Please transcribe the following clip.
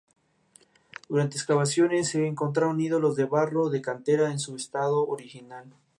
Iggy Pop contribuyó aportando las voces que se escuchan al final de la canción.